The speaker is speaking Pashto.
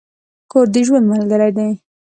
کور د ژوند ملګری دی.